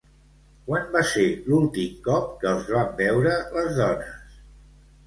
Quan va ser l'últim cop que els van veure les dones?